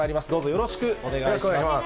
よろしくお願いします。